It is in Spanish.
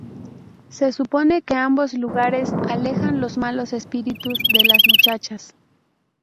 Se supone que ambos lugares alejan los malos espíritus de las muchachas.